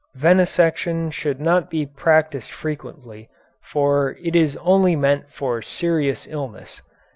18. Venesection should not be practised frequently, for it is only meant for serious illness.